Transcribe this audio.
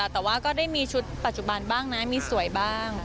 แต่ว่าก็ได้มีชุดปัจจุบันบ้างนะมีสวยบ้าง